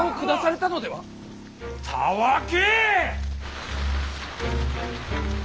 たわけ！